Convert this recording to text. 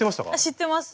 知ってます。